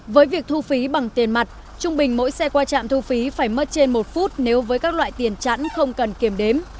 với việc thu phí bằng tiền mặt trung bình mỗi xe qua trạm thu phí phải mất trên một phút nếu với các loại tiền chẵn không cần kiểm đếm